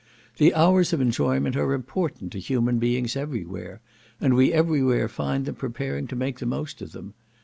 The hours of enjoyment are important to human beings every where, and we every where find them preparing to make the most of them.